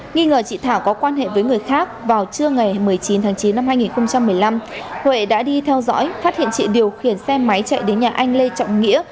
nghi ngờ chị thảo có quan hệ với người khác vào trưa ngày một mươi chín tháng chín năm hai nghìn một mươi năm huệ đã đi theo dõi phát hiện chị điều khiển xe máy chạy đến nhà anh lê trọng nghĩa